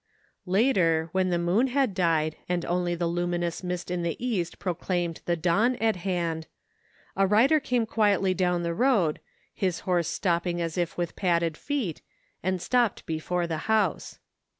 Later, when the moon had died and only the lumi nous mist in the East proclaimed the dawn at hand, a rider came quietly down the road, his horse stepping as if with padded feet, and stopped before the house.